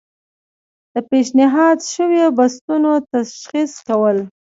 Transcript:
د پیشنهاد شویو بستونو تشخیص کول.